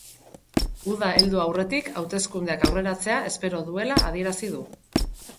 Uda heldu aurretik hauteskundeak aurreratzea espero duela adierazi du.